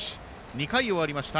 ２回、終わりました。